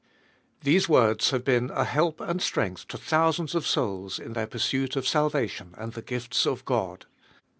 THESE words have been a help and strength to Ibousands of souls in their pursuit of salvation and the gifta of God.